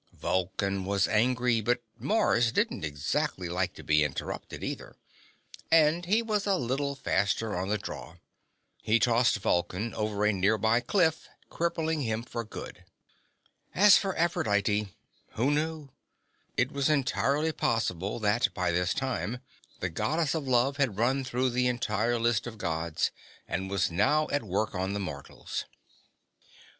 Vulcan was angry, but Mars didn't exactly like to be interrupted, either, and he was a little faster on the draw. He tossed Vulcan over a nearby cliff, crippling him for good. And as for Aphrodite who knew? It was entirely possible that, by this time, the Goddess of Love had run through the entire list of Gods and was now at work on the mortals.